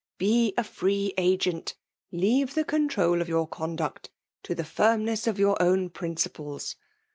Be a free agent ; leave the control of your conduct to the firmness of your own prin ciples.